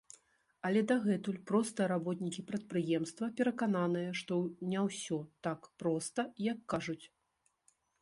Але дагэтуль простыя работнікі прадпрыемства перакананыя, што не ўсё так проста, як кажуць.